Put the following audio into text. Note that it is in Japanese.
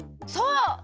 そう！